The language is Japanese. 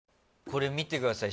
これ見てください。